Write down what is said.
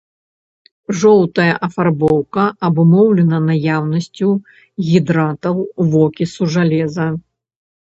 Жоўтая афарбоўка абумоўлена наяўнасцю гідратаў вокісу жалеза.